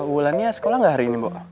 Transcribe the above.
wulannya sekolah gak hari ini mbok